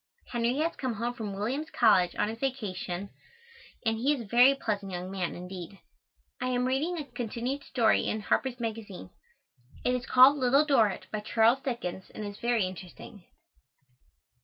Henry has come home from Williams College on his vacation and he is a very pleasant young man, indeed. I am reading a continued story in Harper's Magazine. It is called Little Dorritt, by Charles Dickens, and is very interesting.